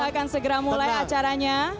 akan segera mulai acaranya